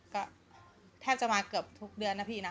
ก็แทบจะมาเกือบทุกเดือนนะพี่นะ